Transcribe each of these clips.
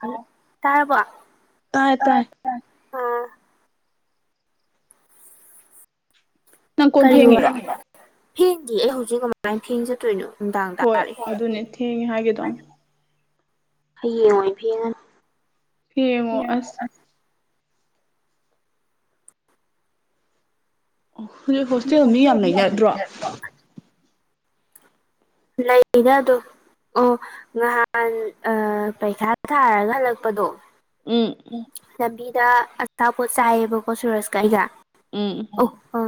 hello ꯇꯥꯔꯕꯣ ꯇꯥꯏ ꯇꯥꯏ ꯅꯪ ꯀꯣꯟ ꯀꯔꯤ ꯋꯥ ꯐꯦꯡꯉꯤꯔꯣ ꯐꯦꯡꯗꯤꯌ‌ꯦ ꯑꯩ ꯍꯧꯖꯤꯛ ꯀꯃꯥꯏꯅ ꯐꯦꯡ ꯆꯠꯇꯣꯏꯅꯣ ꯅꯨꯡꯗꯥꯡ ꯍꯣꯏ ꯇꯥꯔꯦ ꯑꯗꯨꯅꯦ ꯊꯦꯡꯉꯦ ꯍꯥꯏꯒꯦ ꯇꯧꯕꯅ‌ꯦ ꯍꯌꯦꯡ ꯑꯣꯏꯅ ꯐ‌ꯦꯡꯉꯅꯤ ꯐ‌ꯦꯡꯉ‌ꯣ ꯑꯁ ꯑꯣ ꯍꯧꯖꯤꯛ ꯍꯣꯁꯇꯦꯜ ꯃꯤ ꯌꯥꯝ ꯂꯩꯅꯗ꯭ꯔꯣ ꯂꯩꯅ ꯑꯗꯨꯝ ꯑꯣ ꯉꯍꯥꯟ ꯑꯥ ꯄꯩꯈꯥ ꯊꯥꯔꯒ ꯍꯜꯂꯛꯄꯗꯣ ꯎꯝ ꯎꯝ ꯂꯝꯕꯤꯗ ꯑꯆꯥꯥꯄꯣꯠ ꯆꯥꯏꯌꯦꯕꯀꯣ ꯁꯨꯔꯁꯀ ꯑꯩꯒ ꯎꯝ ꯑꯧ ꯑ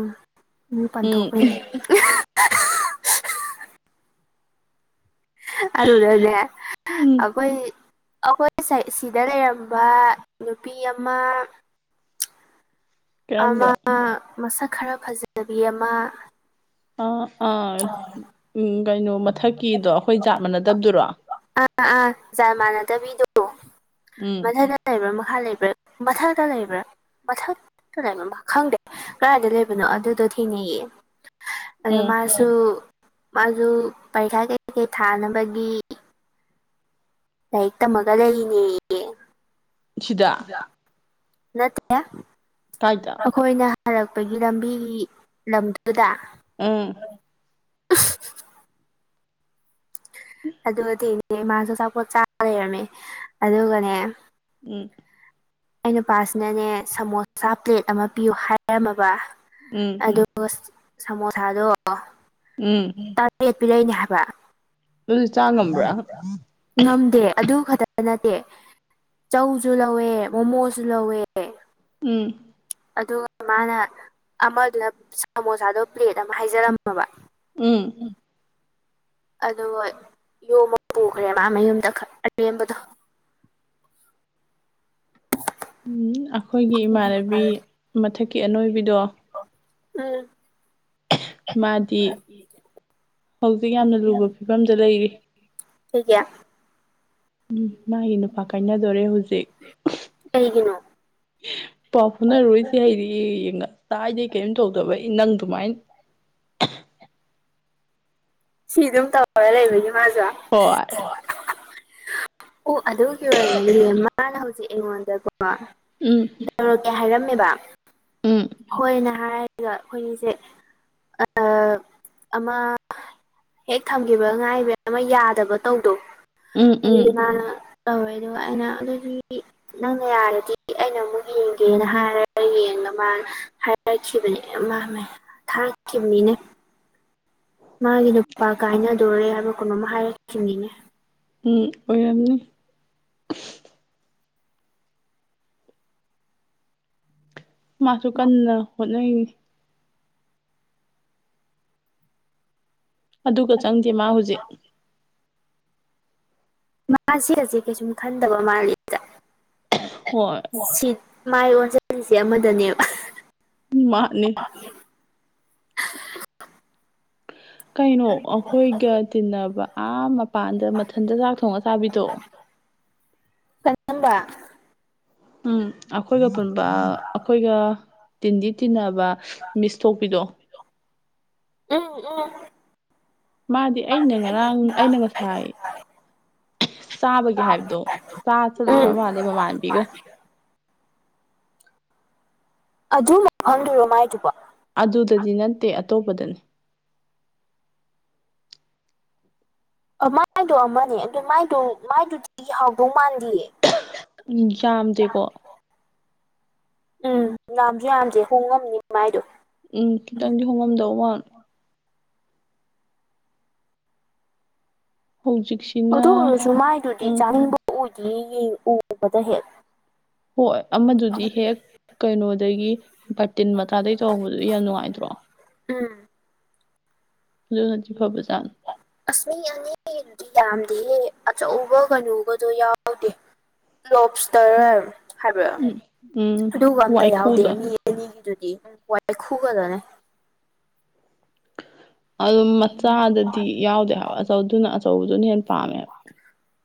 ꯃꯔꯨ ꯎꯝ ꯄꯟꯊꯣꯛꯈ꯭ꯔ‌ꯦ ꯑꯗꯨꯗꯅꯦ ꯎꯝ ꯑꯩꯈꯣꯏ ꯑꯩꯈꯣꯏ ꯑꯩ ꯁꯥꯏ ꯁꯤꯗ ꯂꯩꯔꯝꯕ ꯅꯨꯄꯤ ꯑꯃ ꯑꯃ ꯀꯔꯝꯕ ꯃꯁꯛ ꯈꯔ ꯐꯖꯕꯤ ꯑꯃ ꯑꯥ ꯑꯥ ꯎꯝ ꯀꯩꯅꯣ ꯃꯊꯛꯀꯤꯗꯣ ꯑꯩꯈꯣꯏ ꯖꯥꯠ ꯃꯥꯟꯅꯗꯕꯗꯨꯔꯣ ꯑꯥ ꯑꯥ ꯖꯥꯠꯃꯥꯟꯅꯗꯕꯤꯗꯣ ꯃꯊꯛꯇ ꯎꯝ ꯃꯊꯛꯇ ꯂꯩꯕ꯭ꯔꯥ ꯃꯈꯥ ꯂꯩꯕ꯭ꯔꯥ ꯃꯊꯛꯇ ꯂꯩꯕ꯭ꯔꯥ ꯃꯊꯛ ꯇ ꯂꯩꯔꯝꯕ ꯈꯪꯗꯦ ꯀꯗꯥꯥꯏꯗ ꯂꯩꯕꯅꯣ ꯑꯗꯨꯗꯣ ꯊꯦꯡꯅꯩꯌꯦ ꯑꯗ‌ꯣ ꯎꯝ ꯃꯥꯁꯨ ꯃꯥꯁꯨ ꯄꯩꯈꯥ ꯀꯩ ꯀꯩ ꯊꯥꯅꯕꯒꯤ ꯂꯥꯏꯔꯤꯛ ꯇꯝꯃꯒ ꯂꯩꯔꯤꯅ‌ꯦꯌ‌ꯦ ꯁꯤꯗ ꯅꯠꯇ‌ꯦꯍ‌ꯦ ꯀꯥꯏꯗ ꯑꯩꯈꯣꯏꯅ ꯍꯜꯂꯛꯄꯒꯤ ꯂꯝꯕꯤꯒꯤ ꯂꯝꯗꯨꯗ ꯎꯝ ꯑꯗꯨ ꯊ‌ꯦꯡꯅꯩꯌ‌ꯦ ꯃꯥꯁꯨ ꯑꯆꯥꯄꯣꯠ ꯆꯥ ꯂꯩꯔꯝꯃꯦ ꯑꯗꯨꯒꯅꯦ ꯎꯝ ꯑꯩ ꯅꯨꯄꯥꯁꯤꯅꯅꯦ ꯁꯃꯣꯁꯥ ꯄ꯭ꯂꯦꯠ ꯑꯃ ꯄꯤꯌꯨ ꯍꯥꯏꯔꯝꯃꯕ ꯎꯝ ꯑꯗꯨꯒ ꯁꯃꯣꯁꯥꯗꯣ ꯎꯝ ꯇꯔꯦꯠ ꯄꯤꯔꯛꯏꯅꯦ ꯍꯥꯏꯕ ꯑꯗꯨꯗꯤ ꯆꯥ ꯉꯝꯕ꯭ꯔꯥ ꯉꯝꯗꯦ ꯑꯗꯨ ꯈꯛꯇ ꯅꯠꯇꯦ ꯆꯧꯁꯨ ꯂꯧꯋꯦ ꯃꯣꯃꯣꯁꯨ ꯂꯧꯋꯦ ꯎꯝ ꯑꯗꯨꯒ ꯃꯥꯅ ꯑꯃꯗꯨꯅ ꯁꯃꯣꯁꯥꯗꯣ ꯄ꯭ꯂꯦꯠ ꯑꯃ ꯍꯥꯏꯖꯔꯝꯃꯕ ꯎꯝ ꯑꯗꯨꯒ ꯌꯣꯝꯃ ꯄꯨꯈ꯭ꯔꯦ ꯃꯥ ꯃꯌꯨꯝꯗ ꯈꯠ ꯑꯔꯦꯝꯕꯗꯣ ꯎꯝ ꯑꯩꯈꯣꯏꯒꯤ ꯏꯃꯥꯟꯅꯕꯤ ꯃꯊꯛꯀꯤ ꯑꯅꯣꯏꯕꯤꯗꯣ ꯎꯝ ꯃꯥꯗꯤ ꯍꯧꯖꯤꯛ ꯌꯥꯝꯅ ꯂꯨꯕ ꯐꯤꯕꯝꯗ ꯂꯩꯔꯤ ꯀꯩꯒꯤ ꯎꯝ ꯃꯥꯒꯤ ꯅꯨꯄꯥ ꯀꯥꯏꯅꯗꯣꯔꯦ ꯍꯧꯖꯤꯛ ꯀꯩꯒꯤꯅꯣ ꯄꯥꯎ ꯐꯥꯎꯅꯔꯔꯣꯏꯁꯦ ꯍꯥꯢꯔꯛꯑꯦꯌꯦ ꯉꯥꯁꯥꯏꯗꯩꯩ ꯀꯩꯝ ꯇꯧꯗꯕꯩ ꯅꯪꯗꯨꯃꯥꯏꯅ ꯁꯤ ꯑꯗꯨꯝ ꯇꯧꯔ ꯂꯩꯕꯒꯤ ꯃꯥꯖꯨ ꯍꯣꯢ ꯑꯣ ꯑꯗꯨꯒꯤ ꯑꯣꯏꯔꯝꯃꯅꯤꯌꯦ ꯃꯥꯅ ꯍꯧꯖꯤꯛ ꯑꯩꯉꯣꯟꯗꯀꯣ ꯎꯝ ꯗꯧꯔꯛꯀꯦ ꯍꯥꯏꯔꯝꯃꯦꯕ ꯎꯝ ꯍꯣꯏꯑꯅ ꯍꯥꯏꯔ ꯒꯥ ꯑꯈꯣꯏꯅꯤꯖꯦ ꯑꯥ ꯑꯃ ꯍꯦꯛ ꯊꯝꯈꯤꯕ ꯉꯥꯏꯕꯩ ꯑꯃ ꯌꯥꯗꯕ ꯇꯧꯗꯣ ꯎꯝ ꯎꯝ ꯑꯗꯨꯗꯤ ꯃꯥꯅ ꯇꯧꯔꯦ ꯑꯗꯨꯒ ꯑꯩꯅ ꯑꯗꯨꯗꯤ ꯅꯪꯅ ꯌꯥꯔꯗꯤ ꯑꯩꯅ ꯑꯃꯨꯛ ꯌꯦꯡꯒꯦꯅ ꯍꯥꯏꯔꯒ ꯌꯦꯡꯉꯥ ꯃꯥꯅ ꯍꯥꯏ ꯊꯔꯛꯈꯤꯕꯅꯦ ꯃꯃꯦ ꯊꯥꯔꯛꯈꯤꯕꯅꯤꯅꯦ ꯃꯥꯒꯤ ꯅꯨꯄꯥ ꯀꯥꯏꯅ ꯇꯣꯔꯦ ꯍꯥꯏꯕ ꯀꯩꯅꯣꯝ ꯍꯥꯏꯔꯛꯈꯤꯝꯅꯤꯅꯦ ꯎꯝ ꯑꯣꯏꯔꯝꯅꯤ ꯃꯥꯁꯨ ꯀꯟꯅ ꯍꯣꯠꯅꯔꯤꯅꯤ ꯑꯗꯨꯒ ꯆꯪꯗꯦ ꯃꯥ ꯍꯧꯖꯤꯛ ꯃꯥꯁꯤ ꯍꯧꯖꯤꯛ ꯀꯩꯁꯨꯝ ꯈꯟꯗꯕ ꯃꯥꯜꯂꯤ ꯆꯥ ꯍꯣꯏ ꯁꯤꯠ ꯃꯥꯏ ꯑꯣꯟꯖꯟꯂꯤꯖꯦ ꯑꯃꯗꯅꯦꯕ ꯃꯥꯟꯅꯤ ꯀꯩꯅꯣ ꯑꯩꯈꯣꯏꯒ ꯇꯤꯟꯅꯕ ꯑꯥ ꯃꯄꯥꯟꯗ ꯃꯊꯟꯇ ꯆꯥꯛ ꯊꯣꯡꯉ ꯆꯥꯕꯤꯗꯣ ꯀꯔꯝꯕ ꯎꯝ ꯑꯩꯈꯣꯏꯒ ꯄꯨꯟꯕ ꯑꯩꯈꯣꯏꯒ ꯇꯤꯟꯗꯤ ꯇꯤꯟꯅꯕ ꯃꯤꯁ ꯊꯣꯛꯄꯤꯗꯣ ꯎꯝ ꯎꯝ ꯃꯥꯗꯤ ꯑꯩꯅ ꯉꯔꯥꯡ ꯑꯩꯅ ꯉꯁꯥꯏ ꯆꯥꯕꯒꯤ ꯍꯥꯏꯕꯗꯣ ꯆꯥ ꯆꯠꯂꯨꯔ ꯎꯝ ꯃꯥꯜꯂꯦ ꯃꯃꯥꯟꯅꯕꯤꯒ ꯑꯗꯨꯝ ꯃꯐꯝꯗꯨꯔꯣ ꯃꯥꯏꯗꯨꯕꯣ ꯑꯗꯨꯗꯗꯤ ꯅꯠꯇꯦ ꯑꯇꯣꯞꯄꯗꯅꯤ ꯑꯃꯥꯗꯣ ꯑꯃꯅꯦ ꯑꯗꯨ ꯃꯥꯏꯗꯣ ꯃꯥꯏꯗꯨꯗꯤ ꯍꯥꯎꯗꯧ ꯃꯥꯥꯟꯗꯤꯌꯦ ꯎꯝ ꯌꯥꯝꯗꯦꯀꯣ ꯎꯝ ꯌꯥꯝꯖꯨ ꯌꯥꯝꯗꯦ ꯍꯣꯡꯉꯝꯅꯤ ꯃꯥꯏꯗꯣ ꯎꯝ ꯈꯤꯇꯪꯗꯤ ꯍꯣꯡꯉꯝꯗꯧ ꯃꯥꯟ ꯍꯧꯖꯤꯛꯁꯤꯅ ꯑꯗꯨꯑꯣꯏꯔꯁꯨ ꯃꯥꯏꯗꯨꯗꯤ ꯎꯝ ꯆꯥꯅꯤꯡꯕ ꯑꯣꯏꯗꯤꯌꯦ ꯌꯦꯡ ꯎꯕꯗ ꯍꯦꯛ ꯍꯣꯏ ꯑꯃꯗꯨꯗꯤ ꯍꯦꯛ ꯀꯩꯅꯣꯗꯒꯤ ꯕꯥꯔꯇꯤꯟ ꯃꯆꯥꯗꯒꯤ ꯇꯧꯍꯧꯕꯗꯨꯗꯤ ꯌꯥꯝ ꯅꯨꯡꯉꯥꯏꯇ꯭ꯔꯣ ꯎꯝ ꯑꯗꯨꯅꯗꯤ ꯐꯕꯖꯥꯠꯅꯤ [unintelligible] ꯑꯁ ꯃꯤ ꯑꯅꯤꯒꯤꯗꯨꯗꯤ ꯌꯥꯝꯗꯦꯍꯦ ꯑꯆꯧꯕ ꯀꯩꯅꯣꯒꯗꯣ ꯌꯥꯎꯗꯦ ꯂꯣꯞꯁꯇꯔ ꯍꯥꯏꯕꯔꯥ ꯎꯝ ꯑꯗꯨꯒ ꯑꯝꯇ ꯌꯥꯎꯗꯦ ꯋꯥꯏꯈꯨꯗꯣ ꯃꯤ ꯑꯅꯤꯒꯤꯗꯨꯗꯤꯎꯝ ꯋꯥꯏꯈꯨ ꯈꯠꯇꯥꯅꯦ ꯑꯗꯨꯝ ꯃꯆꯥꯗꯗꯤ ꯌꯥꯎꯗꯦ ꯍꯥꯏꯕ ꯑꯗꯨꯅ ꯑꯆꯧꯕꯗꯨꯅ ꯍꯦꯟꯅ ꯄꯥꯝꯃꯦꯕ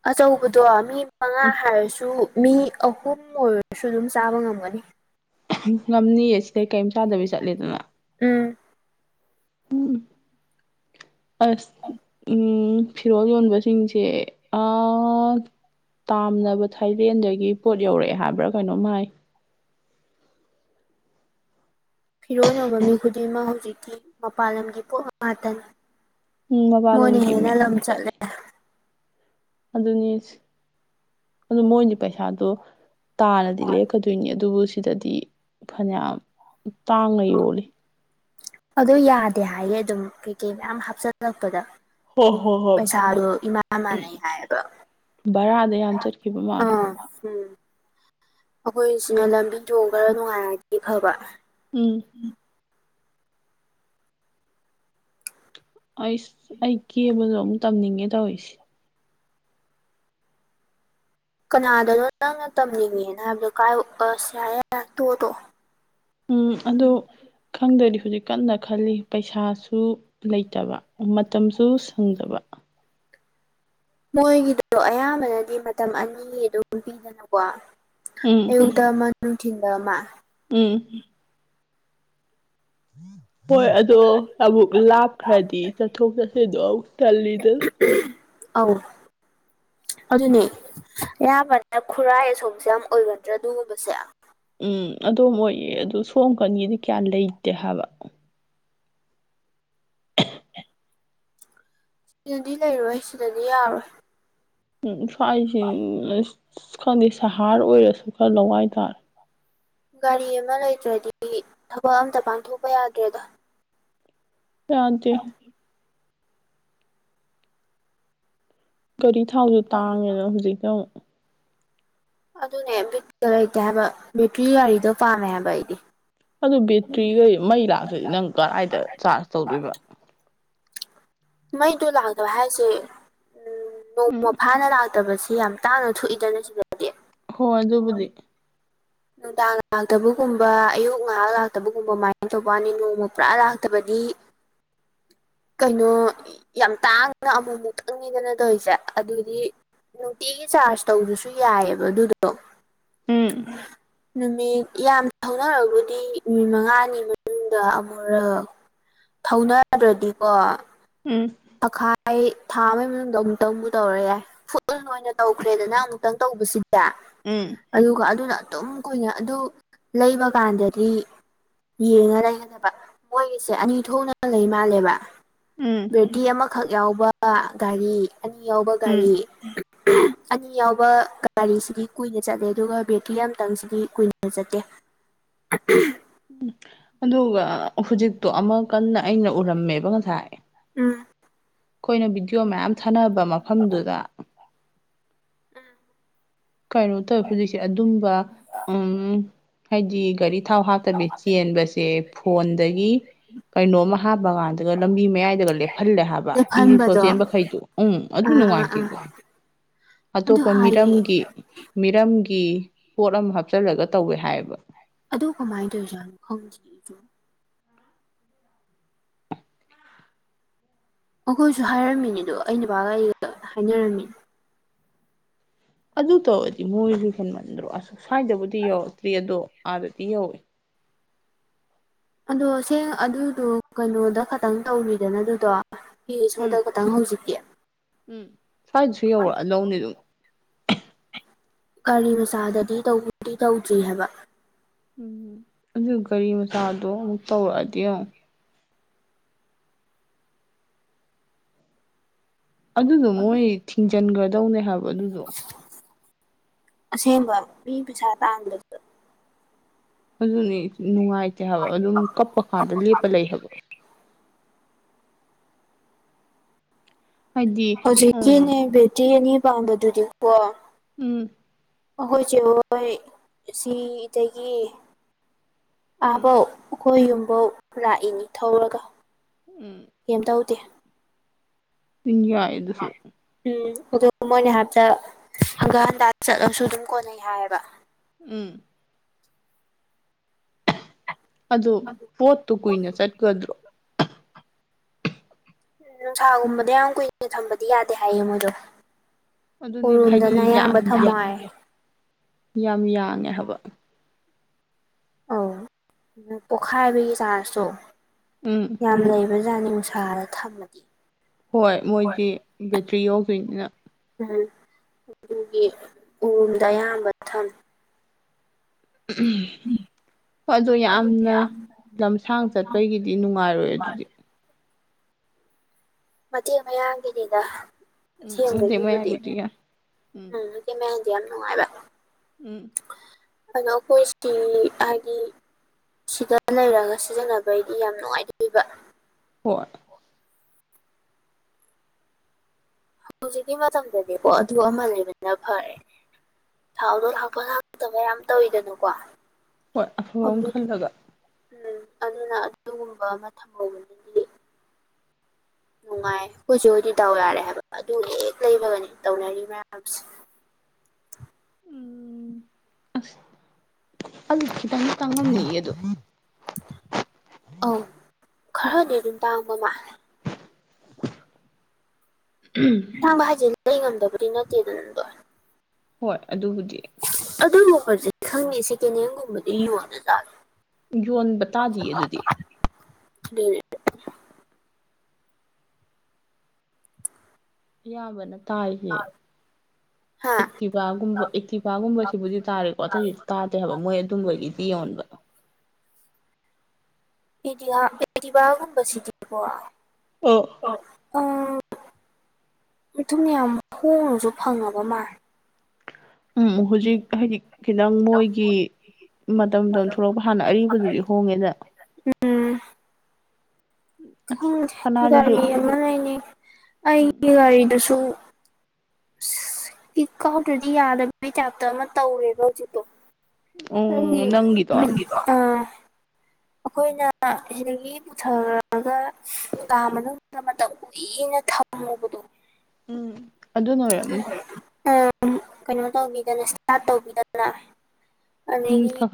ꯑꯆꯧꯕꯗꯣ ꯃꯤ ꯃꯉꯥ ꯎꯝ ꯍꯥꯏꯔꯁꯨ ꯃꯤ ꯑꯍꯨꯝ ꯑꯣꯏꯔꯁꯨ ꯑꯗꯨꯝ ꯆꯥꯕ ꯉꯝꯒꯅꯤ ꯉꯝꯅꯤꯌꯦ ꯁꯤꯗꯩ ꯀꯩꯝ ꯆꯥꯗꯕꯤ ꯆꯠꯂꯦꯗꯅ ꯎꯝ ꯎꯝ ꯑꯁ ꯎꯝ ꯐꯤꯔꯣꯜ ꯌꯣꯟꯕꯁꯤꯡꯁꯦ ꯑꯥ ꯇꯥꯝꯂꯥꯕꯥ ꯊꯥꯏꯂꯦꯟꯗꯒꯤ ꯄꯣꯠ ꯌꯧꯔꯛꯑꯦ ꯍꯥꯏꯕ꯭ꯔꯥ ꯀꯩꯅꯣꯝ ꯍꯥꯏ ꯐꯤꯔꯣꯟ ꯌꯣꯟꯕ ꯃꯤ ꯈꯨꯗꯤꯡꯃꯛ ꯍꯧꯖꯤꯛꯇꯤ ꯃꯄꯥꯥꯟ ꯂꯝꯒꯤ ꯄꯣꯠ ꯉꯥꯛꯇꯅꯤ ꯎꯝ ꯃꯣꯏꯅ ꯃꯄꯥꯟꯂꯣꯝꯒꯤ ꯍꯦꯟꯅ ꯃꯌꯥꯝ ꯂꯝ ꯆꯠꯂꯦ ꯑꯗꯨꯅꯤꯁꯤ ꯑꯗꯨꯕꯨ ꯃꯣꯏꯗꯤ ꯄꯩꯁꯥꯗꯣ ꯇꯥꯔꯗꯤ ꯂꯦꯛꯀꯗꯣꯏꯅꯤ ꯑꯗꯨꯕꯨ ꯁꯤ ꯁꯤꯗꯗꯤ ꯐꯅꯌꯥꯝ ꯇꯥꯡꯅ ꯌꯣꯜꯂꯤ ꯑꯗꯨ ꯌꯥꯗꯦ ꯍꯥꯏꯌꯦ ꯑꯗꯨꯝ ꯀꯩ ꯀꯩ ꯃꯌꯥꯝ ꯍꯥꯞꯆꯤꯜꯂꯛꯄꯗ ꯍꯣ ꯑꯗꯨꯝ ꯍꯣ ꯍꯣꯏ ꯄꯩꯁꯥꯗꯣ ꯏꯃꯥꯟ ꯃꯥꯟꯅꯩ ꯍꯥꯏꯑꯕ ꯕꯔꯥꯗ ꯌꯥꯝ ꯆꯠꯈꯤꯕ ꯃꯥꯟ ꯑꯥ ꯎꯝ ꯑꯩꯈꯣꯏ ꯁꯤꯅ ꯂꯝꯕꯤ ꯊꯣꯡ ꯈꯔ ꯅꯨꯡꯉꯥꯏꯔꯗꯤ ꯐꯕ ꯎꯝ ꯑꯩꯁ ꯑꯩ ꯀꯦꯕꯗꯣ ꯑꯃꯨꯛ ꯇꯝꯅꯤꯡꯉꯦ ꯇꯧꯔꯤꯁꯦ ꯀꯅꯥꯗꯅꯣ ꯅꯪꯅ ꯇꯝꯅꯤꯡꯉꯦꯅ ꯍꯥꯏꯕꯗꯣ ꯀꯥꯏ ꯑꯁ ꯌꯥꯔꯦ ꯇꯣꯛꯑꯣ ꯇꯣꯛꯑꯣ ꯎꯝ ꯑꯗꯣ ꯈꯪꯗꯔꯤ ꯍꯧꯖꯤꯛ ꯀꯟꯅ ꯈꯜꯂꯤ ꯄꯩꯁꯥꯁꯨ ꯂꯩꯇꯕ ꯃꯇꯝꯁꯨ ꯁꯪꯗꯕ ꯃꯣꯏꯒꯤꯗꯣ ꯑꯌꯥꯝꯕꯅꯗꯤ ꯃꯇꯝ ꯑꯅꯤ ꯑꯗꯨꯝ ꯄꯤꯗꯅꯀꯣ ꯎꯝ ꯑꯌꯨꯛꯇ ꯑꯃ ꯅꯨꯡꯇꯤꯟꯗ ꯑꯃ ꯎꯝ ꯍꯣꯏ ꯑꯗꯣ ꯑꯃꯨꯛ ꯂꯥꯞꯈ꯭ꯔꯗꯤ ꯆꯠꯊꯣꯛ ꯆꯠꯁꯤꯗꯣ ꯑꯃꯨꯛ ꯇꯜꯂꯤꯗ ꯑꯍꯝ ꯑꯧ ꯑꯗꯨꯅꯦ ꯑꯌꯥꯝꯕꯅꯥ ꯈꯨꯔꯥꯏ ꯑꯁꯣꯝꯁꯦ ꯌꯥꯝ ꯑꯣꯏꯒꯟꯗꯔꯥ ꯑꯗꯨꯒꯨꯝꯕꯁꯦ ꯎꯝ ꯑꯗꯨ ꯑꯣꯏꯌꯦ ꯑꯗꯨ ꯁꯣꯝ ꯅꯀꯟꯒꯤꯗꯤ ꯀꯌꯥ ꯂꯩꯇꯦ ꯍꯥꯏꯕ ꯁꯤꯗꯗꯤ ꯂꯩꯔꯣꯏ ꯁꯤꯗꯗꯤ ꯌꯥꯔꯣꯏ ꯎꯝ ꯁ꯭ꯋꯥꯏꯁꯤ ꯑꯁ ꯈꯪꯗꯦ ꯁ꯭ꯍꯥꯔ ꯑꯣꯏꯔꯁꯨ ꯈꯔ ꯂꯋꯥꯏ ꯇꯥꯔꯦ ꯒꯥꯔꯤ ꯑꯃ ꯂꯩꯇ꯭ꯔꯥꯗꯤ ꯊꯕꯛ ꯑꯝꯇꯥ ꯄꯥꯡꯊꯣꯛꯄ ꯌꯥꯗ꯭ꯔꯦꯗ ꯌꯥꯗꯦ [inaudible] ꯒꯥꯔꯤ ꯊꯥꯎꯖꯨ ꯇꯥꯡꯉꯦꯅ ꯍꯧꯖꯤꯛꯇꯥ ꯑꯃꯨꯛ ꯑꯗꯨꯅꯦ ꯕꯤꯠꯀꯥ ꯂꯩꯇꯦ ꯍꯥꯏꯕ ꯕꯦꯇ꯭ꯔꯤ ꯒꯥꯔꯤꯗꯣ ꯄꯥꯝꯃꯦ ꯍꯥꯏꯕ ꯑꯩꯗꯤ ꯑꯗꯨ ꯕꯦꯇ꯭ꯔꯤꯒꯩ ꯃꯩ ꯂꯥꯛꯇ꯭ꯔꯥꯗꯤ ꯅꯪ ꯀꯔꯥꯏꯗ ꯆꯥꯔꯖ ꯇꯧꯗꯣꯏꯕ ꯃꯩꯗꯣ ꯂꯥꯛꯇꯕ ꯍꯥꯏꯁꯦ ꯎꯝ ꯎꯝ ꯅꯣꯡꯃ ꯐꯥꯅ ꯂꯥꯛ ꯇꯕꯁꯤ ꯌꯥꯝ ꯇꯥꯡꯅ ꯊꯣꯛꯏꯗꯅ ꯁꯤꯗꯥ ꯍꯣꯏ ꯑꯗꯨꯕꯨꯗꯤ ꯅꯨꯡꯗꯥꯡ ꯂꯥꯛꯇꯕꯒꯨꯝꯕ ꯑꯌꯨꯛ ꯉꯥꯏꯍꯥꯛ ꯂꯥꯛꯇꯕꯒꯨꯝꯕ ꯃꯥꯏꯅ ꯇꯧꯕ ꯋꯥꯅꯤ ꯅꯣꯡꯃꯥ ꯄꯨꯔꯥ ꯂꯥꯛꯇꯕꯗꯤ ꯀꯩꯅꯣ ꯌꯥꯝ ꯇꯥꯡꯅ ꯑꯃꯨꯛ ꯃꯨꯛ ꯈꯪꯅꯤꯗꯅ ꯇꯧꯔꯤꯖꯦ ꯑꯗꯨꯗꯤ ꯅꯨꯡꯇꯤꯒꯤ ꯆꯥꯔꯖ ꯇꯧꯗ꯭ꯔꯥꯁꯨ ꯌꯥꯏꯑꯕ ꯑꯗꯨꯗꯣ ꯎꯝ ꯅꯨꯃꯤꯠ ꯌꯥꯝ ꯊꯧꯅꯔꯕꯨꯗꯤ ꯅꯨꯃꯤꯠ ꯃꯉꯥꯅꯤ ꯃꯅꯨꯡꯗꯥ ꯑꯃꯨꯔꯛ ꯊꯧꯅꯥꯗ꯭ꯔꯥꯗꯤꯀꯣ ꯎꯝ ꯇꯈꯥꯏ ꯊꯥ ꯑꯃꯒꯤ ꯃꯅꯨꯡꯗ ꯑꯃꯨꯛꯇꯪꯕꯨ ꯇꯧꯔ ꯌꯥꯏ ꯐꯨꯜ ꯑꯣꯏꯅ ꯇꯧꯈ꯭ꯔꯦꯗꯅ ꯑꯃꯨꯛꯇꯪ ꯇꯧꯕꯁꯤꯗꯤ ꯎꯝ ꯑꯗꯨꯒꯥ ꯑꯗꯨꯅ ꯑꯗꯨꯝ ꯈꯣꯏꯅ ꯑꯗꯨ ꯂꯩꯕ ꯀꯥꯟꯗꯗꯤ ꯌꯦꯡꯉꯥ ꯂꯩꯒꯗꯕ ꯃꯣꯏꯒꯤꯁꯦ ꯑꯅꯤ ꯊꯣꯛꯅ ꯂꯩ ꯃꯥꯜꯂꯦꯕ ꯎꯝ ꯕꯦꯇꯤ ꯑꯃꯈꯛ ꯌꯥꯎꯕ ꯒꯥꯔꯤ ꯑꯅꯤ ꯌꯥꯎꯕ ꯎꯝ ꯒꯥꯔꯤ ꯑꯅꯤ ꯌꯥꯎꯕ ꯒꯥꯔꯤꯁꯤꯗꯤ ꯀꯨꯏꯅ ꯆꯠꯂꯦ ꯑꯗꯨꯒꯥ ꯕꯦꯇ꯭ꯔꯤ ꯑꯃꯇꯪꯁꯤꯗꯤ ꯀꯨꯏꯅ ꯆꯠꯇꯦ [unintelligible] ꯎꯝ ꯑꯗꯨꯒꯥ ꯍꯨꯖꯤꯛꯇꯣ ꯑꯃ ꯀꯟꯅ ꯑꯩꯅ ꯎꯔꯝꯃꯦꯕ ꯉꯁꯥꯏ ꯎꯝ ꯈꯣꯏꯅ ꯚꯤꯗꯤꯑꯣ ꯃꯌꯥꯝ ꯊꯥꯅꯕ ꯃꯐꯝꯗꯨꯗꯥ ꯎꯝ ꯀꯩꯅꯣ ꯇꯧꯋꯦ ꯍꯨꯖꯤꯛꯁꯦ ꯑꯗꯨꯝꯕ ꯎꯝ ꯍꯥꯏꯗꯤ ꯒꯥꯔꯤ ꯊꯥꯎ ꯍꯥꯞ ꯇꯥꯕꯤ ꯆꯦꯟꯕꯁꯦ ꯐꯣꯟꯗꯒꯤ ꯀꯩꯅꯣꯝ ꯍꯥꯞꯄ ꯀꯥꯟꯗꯒꯥ ꯂꯝꯕꯤ ꯃꯌꯥꯏꯗꯒꯥ ꯂꯦꯞꯍꯜꯂꯦ ꯍꯥꯏꯕ ꯏ ꯔꯤꯛꯁꯣ ꯂꯦꯞꯍꯟꯕꯗꯣ ꯑꯥ ꯆꯦꯟꯕꯈꯩꯗꯨꯣ ꯎꯝ ꯑꯗꯨ ꯑꯥ ꯅꯨꯡꯉꯥꯏꯇꯦ ꯑꯥ ꯑꯗꯨ ꯑꯇꯣꯞꯄ ꯍꯥꯏꯌꯦ ꯃꯤꯔꯝꯒꯤ ꯃꯤꯔꯝꯒꯤ ꯄꯣꯠ ꯑꯃ ꯍꯥꯞꯆꯜꯂꯒꯥ ꯇꯧꯋꯦ ꯍꯥꯏꯑꯕ ꯑꯗꯨ ꯀꯃꯥꯏꯟ ꯇꯧꯔꯤꯖꯥꯠꯅꯣ ꯈꯪꯗꯤꯌꯦ ꯑꯩꯖꯨ ꯑꯈꯣꯏꯁꯨ ꯍꯥꯏꯔꯝꯃꯤꯅꯦ ꯑꯗꯣ ꯑꯩ ꯅꯨꯄꯥꯒ ꯑꯩꯒꯥ ꯍꯥꯏꯅꯔꯝꯃꯤꯅꯦ ꯑꯗꯨ ꯇꯧꯔꯗꯤ ꯃꯣꯏꯖꯨ ꯍꯦꯟꯃꯟꯗ꯭ꯔꯣ ꯑꯁ ꯁ꯭ꯋꯥꯏꯗꯕꯨꯗꯤ ꯌꯧꯔꯛꯇ꯭ꯔꯤ ꯑꯗꯣ ꯑꯥꯗꯗꯤ ꯌꯧꯋꯦ ꯑꯗꯣ ꯁꯦꯡ ꯑꯗꯨꯗꯣ ꯀꯩꯅꯣꯗ ꯈꯇꯪ ꯇꯧꯔꯤꯗꯅ ꯑꯗꯨꯗꯣ ꯏ ꯔꯤꯛꯁꯣꯗꯥ ꯎꯝ ꯈꯇꯪ ꯍꯧꯖꯤꯛꯇꯤ ꯎꯝ ꯁ꯭ꯋꯥꯏꯗꯁꯨ ꯌꯧꯔꯛꯑꯗꯧꯅꯤ ꯑꯗꯨꯝ [unintelligible] ꯀꯔꯤ ꯃꯆꯥꯗꯥꯗꯤ ꯇꯧꯕꯨꯗꯤ ꯇꯧꯗ꯭ꯔꯤ ꯍꯥꯏꯕ ꯎꯝ ꯑꯗꯨ ꯒꯥꯔꯤ ꯃꯆꯥꯗꯣ ꯑꯃꯨꯛ ꯇꯧꯔꯛꯑꯗꯤ ꯌꯣꯡ ꯑꯗꯨꯗꯣ ꯃꯣꯏ ꯊꯤꯡꯖꯤꯟꯒ꯭ꯔꯥꯗꯧꯅꯦ ꯍꯥꯏꯕ ꯑꯗꯨꯗꯣ ꯑꯁꯦꯡꯕ ꯃꯤ ꯄꯩꯁꯥ ꯇꯥꯟꯕꯗꯨꯗꯥ ꯑꯗꯨꯅꯦ ꯅꯨꯡꯉꯥꯏꯇꯦ ꯍꯥꯏꯕ ꯑꯗꯨꯝ ꯀꯞꯄ ꯀꯥꯟꯗꯥ ꯂꯦꯞꯄ ꯂꯩ ꯍꯥꯏꯕ ꯍꯥꯏꯗꯤ ꯍꯧꯖꯤꯛꯀꯤꯅꯦ ꯎꯝ ꯕꯦꯇꯤ ꯑꯅꯤ ꯄꯥꯝꯕꯗꯨꯗꯤꯀꯣ ꯎꯝ ꯑꯈꯣꯏ ꯆꯦ ꯍꯣꯏ [unintelligible] ꯏꯇꯩꯒꯤ ꯎꯝ ꯑꯥꯕꯧ ꯎꯈꯣꯏ ꯌꯨꯝꯕꯧ ꯔꯥꯛꯏꯅꯤ ꯊꯧꯔꯒ ꯀꯦꯝꯇꯧꯗꯦ [unintelligible] ꯌꯥꯢ ꯑꯗꯨꯁꯨ ꯎꯝ ꯑꯗꯨ ꯃꯣꯏꯅ ꯍꯥꯏꯕꯗꯥ ꯍꯪꯒꯠ ꯍꯟꯗ ꯆꯠꯂꯁꯨ ꯑꯗꯨꯝ ꯀꯣꯟꯅꯩ ꯍꯥꯏꯌꯦꯕꯥ ꯎꯝ ꯑꯗꯨ ꯄꯣꯠꯇꯨ ꯀꯨꯏꯅꯥ ꯆꯠꯀꯥꯗ꯭ꯔꯣ ꯅꯨꯡꯁꯥꯒꯨꯝꯕꯗ ꯌꯥꯝ ꯀꯨꯏꯅ ꯊꯝꯕꯥꯗꯤ ꯌꯥꯗꯦ ꯍꯥꯏꯌꯦ ꯃꯣꯏꯗꯣ ꯑꯗꯨꯅꯦꯕ ꯎꯔꯨꯝꯗꯅ ꯍꯥꯏꯗꯤ ꯌꯥꯝ ꯑꯌꯥꯝꯕ ꯊꯝꯃꯣ ꯍꯥꯏꯌꯦ ꯌꯥꯝ ꯌꯥꯡꯉꯦ ꯍꯥꯏꯕ ꯑꯧ ꯅꯪ ꯄꯣꯛꯈꯥꯏꯕꯒꯤ ꯆꯥꯟꯁꯇꯣ ꯎꯝ ꯌꯥꯝ ꯂꯩꯕꯖꯥꯅꯤꯉꯣ ꯅꯨꯡꯁꯥꯗ ꯊꯝꯃꯥꯗꯤ ꯍꯣꯏ ꯃꯣꯏꯗꯤ ꯕꯦꯇ꯭ꯔꯤ ꯌꯥꯎꯗꯣꯏꯅꯤꯅꯥ ꯎꯝ ꯑꯗꯨꯒꯤ ꯎꯔꯨꯝꯗ ꯑꯌꯥꯝꯕ ꯊꯝꯃꯦ ꯎꯝꯍꯨꯝ ꯑꯗꯣ ꯌꯥꯝꯅ ꯂꯝꯁꯥꯡ ꯆꯠꯄꯒꯤꯗꯤ ꯅꯨꯡꯉꯥꯏꯔꯣꯏꯌꯦ ꯑꯗꯨꯗꯤ ꯃꯇꯦꯛ ꯃꯌꯥꯒꯤꯅꯤꯗ ꯎꯝ ꯃꯇꯦꯛ ꯑꯁꯦꯡꯕꯒꯤꯕꯨꯗꯤ ꯃꯌꯥꯏꯕꯨꯗꯤ ꯌꯥꯏ ꯎꯝ [inaudible] ꯎꯝ [unintelligible] ꯁꯤꯗ ꯂꯩꯔꯒ ꯁꯤꯖꯤꯟꯅꯕꯩꯗꯤ ꯌꯥꯝ ꯅꯨꯡꯉꯥꯏꯗꯣꯢꯕ ꯍꯣꯢ ꯍꯧꯖꯤꯛꯀꯤ ꯃꯇꯝꯗꯥꯗꯤꯀꯣ ꯑꯗꯨ ꯑꯃ ꯂꯩꯕꯥꯅ ꯐꯔꯦ ꯊꯥꯎꯗꯣ ꯍꯥꯞꯄ ꯍꯥꯞꯇꯕ ꯌꯥꯝ ꯇꯧꯋꯤꯗꯥꯅꯀꯣ ꯍꯣꯏ ꯑꯐꯕ ꯑꯃ ꯈꯜꯂꯥꯒ ꯎꯝ ꯑꯗꯨꯅ ꯑꯗꯨꯒꯨꯝꯕ ꯑꯃ ꯊꯝꯍꯧꯕꯅꯗꯤ ꯅꯨꯡꯉꯥꯏ ꯑꯩꯈꯣꯏꯆꯦ ꯍꯧꯗꯤ ꯗꯥꯎ ꯌꯥꯔꯦ ꯍꯥꯏꯕ ꯑꯗꯨ ꯍꯦꯛ ꯂꯩꯕꯒꯅꯤ ꯇꯧꯅꯥꯔꯤ ꯃꯌꯥꯝꯁꯦ ꯎꯝ ꯑꯁ ꯑꯗꯨ ꯈꯤꯇꯪ ꯇꯥꯡꯉꯝꯃꯦꯌꯦ ꯑꯗꯨ ꯑꯧ ꯈꯔꯗꯤ ꯑꯗꯨꯝ ꯇꯥꯡꯕ ꯃꯥꯜꯂꯦ [inaudible] [unintelligible] ꯍꯥꯏꯖꯦ ꯂꯦꯡ ꯉꯝꯗꯕꯗꯤ ꯅꯠꯇꯦꯗꯥꯅ ꯑꯗꯣ ꯍꯣꯏ ꯑꯗꯨꯕꯨꯗꯤ ꯑꯗꯨꯒꯨꯝꯕꯖꯤ ꯈꯪꯉꯤ ꯁꯦꯀꯦꯟ ꯍꯦꯟꯒꯨꯝꯕꯗꯤ ꯌꯣꯟꯗ ꯖꯥꯠꯂꯣ ꯌꯣꯟꯕ ꯇꯥꯗꯤꯌꯦ ꯑꯗꯨꯗꯤ [unintelligible] [inaudible] ꯢꯌꯥꯝꯕꯅ ꯇꯥꯏꯌꯦ ꯍꯥ ꯑꯦꯛꯇꯤꯚꯥꯒꯨꯝꯕ ꯑꯦꯛꯇꯤꯚꯥꯒꯨꯝꯕꯁꯤꯕꯨꯗꯤ ꯇꯥꯔꯦꯀꯣ ꯑꯇꯩꯗꯤ ꯇꯥꯗꯦ ꯍꯥꯏꯕ ꯃꯣꯢ [inaudible] ꯌꯣꯟꯕ ꯏꯗꯤꯍꯥ ꯑꯦꯛꯇꯤꯕꯥꯒꯨꯝꯕꯁꯤꯗꯤꯀꯣ ꯑꯣ ꯑꯣ [inaudible] ꯌꯥꯝ ꯍꯣꯡꯅꯖꯨ ꯐꯪꯉꯥꯕ ꯃꯥꯜꯂꯦ ꯎꯝ ꯍꯨꯖꯤꯛ ꯍꯥꯏꯗꯤ ꯈꯤꯇꯪ ꯃꯣꯏꯒꯤ ꯃꯇꯝ ꯃꯇꯝ ꯊꯣꯛꯂꯥꯛꯄ ꯍꯥꯟꯅ ꯑꯔꯤꯕꯗꯨꯗꯤ ꯍꯣꯡꯉꯦꯗ ꯎꯝ ꯑꯁ ꯈꯪꯗꯦ ꯁꯅꯥꯁꯤꯁꯨ ꯒꯥꯔꯤ ꯑꯃ ꯂꯩꯅꯤꯡ ꯎꯝ ꯑꯩꯒꯤ ꯒꯥꯔꯤꯗꯨꯁꯨ ꯀꯤꯛ ꯀꯥꯎꯗ꯭ꯔꯗꯤ ꯌꯥꯗꯕꯩ ꯇꯥꯏꯞꯇ ꯑꯃ ꯇꯧꯔꯦꯕ ꯍꯧꯖꯤꯛꯇꯣ ꯅꯪꯒꯤ ꯑꯣ ꯅꯪꯒꯤꯗꯣ [unintelligible] ꯑꯥ ꯑꯩꯈꯣꯏꯅ ꯁꯤꯗꯒꯤ ꯄꯨꯊꯔꯒ ꯀꯥ ꯃꯅꯨꯡꯗ ꯃꯇꯝ ꯀꯨꯏꯅ ꯊꯝ ꯑꯃꯨꯕꯗ‌ꯣ ꯎꯝ ꯑꯗꯨꯅ ꯑꯣꯏꯔꯝꯅꯤ ꯑꯗꯨꯒꯤ ꯑ ꯎꯝ ꯀꯩꯅꯣ ꯇꯧꯕꯤꯗꯅ ꯏꯁꯇꯥꯔꯠ ꯇꯧꯕꯤꯗꯅ ꯎꯝ ꯑꯗꯒꯤ ꯈ ꯈ